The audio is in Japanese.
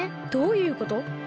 どういうこと？